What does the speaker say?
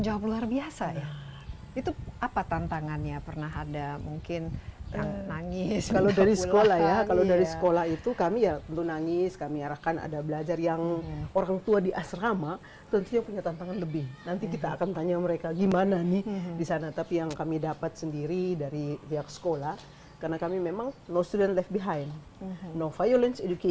jadi lengkap lah jadi anak anak yang di sini yang jelas tidak akan bosan ya